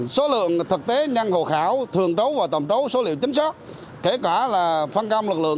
số lượng thực tế nhăn hồ khảo thường trấu và tổng trấu số liệu chính xác kể cả là phân cam lực lượng